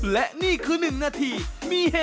และนี่คือ๑นาทีมีเฮ